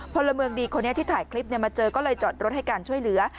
พลเมืองดีคนนี้ที่ถ่ายคลิปมาเจอก็เลยจอดรถให้การช่วยเหลือ